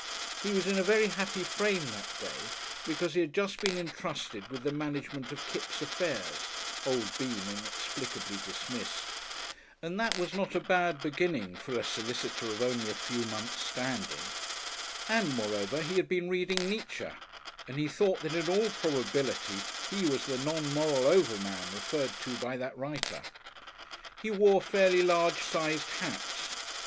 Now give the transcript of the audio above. He was in a very happy frame that day because he had just been entrusted with the management of Kipps' affairs (old Bean inexplicably dismissed), and that was not a bad beginning for a solicitor of only a few months' standing, and, moreover, he had been reading Nietzsche, and he thought that in all probability he was the Non Moral Overman referred to by that writer. He wore fairly large sized hats.